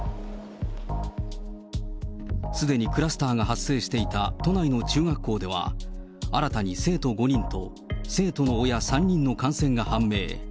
すでにクラスターが発生していた都内の中学校では、新たに生徒５人と、生徒の親３人の感染が判明。